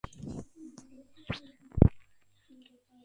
It is found on sandplains in arid regions of southern and central Australia.